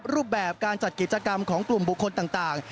รูปแบบการจัดกิจกรรมของกลุ่มบุคคลต่าง